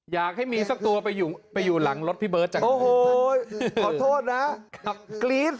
อยากให้มีสักตัวไปอยู่หลังรถพี่เบิร์ทจังเลย